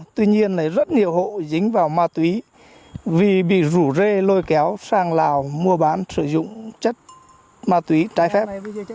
tuy nhiên rất nhiều hộ dính vào ma túy vì bị rủ rê lôi kéo sang lào mua bán sử dụng chất ma túy trái phép